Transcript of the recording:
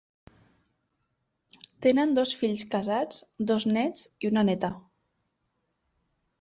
Tenen dos fills casats, dos néts i una néta.